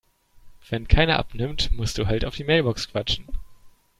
Wenn keiner abnimmt, musst du halt auf die Mailbox quatschen.